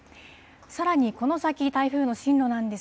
さらにこの先、台風の進路なんで